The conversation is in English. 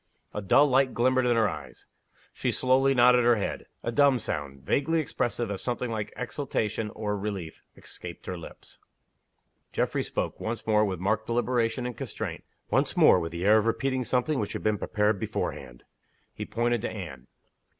A dull light glimmered in her eyes. She slowly nodded her head. A dumb sound, vaguely expressive of something like exultation or relief, escaped her lips. Geoffrey spoke once more, with marked deliberation and constraint; once more, with the air of repeating something which had been prepared beforehand. He pointed to Anne.